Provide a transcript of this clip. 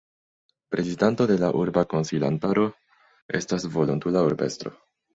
Prezidanto de la urba konsilantaro estas volontula urbestro.